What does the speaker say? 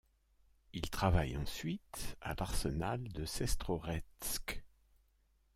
Il travaille ensuite à l'arsenal de Sestroretsk.